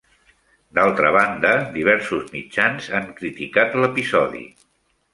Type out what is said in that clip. D'altra banda, diversos mitjans han criticat l'episodi.